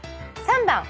３番。